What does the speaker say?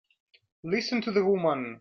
Listen to the woman!